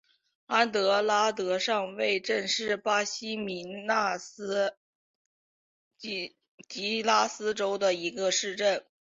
安德拉德上尉镇是巴西米纳斯吉拉斯州的一个市镇。